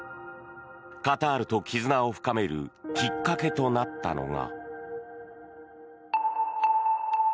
カタールと絆を深めるきっかけとなったのが。